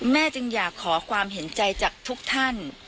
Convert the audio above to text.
จึงอยากขอความเห็นใจจากทุกท่าน